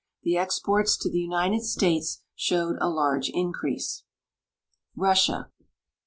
The exports to the United States showed a large increase. KrssiA.